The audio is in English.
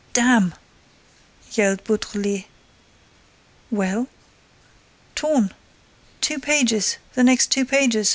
"Damn!" yelled Beautrelet. "Well?" "Torn! Two pages! The next two pages!